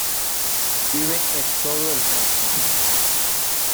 Viven en todo el mundo.